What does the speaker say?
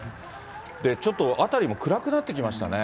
ちょっと辺りも暗くなってきましたね。